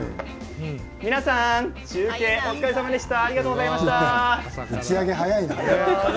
皆さん、中継お疲れさまでした。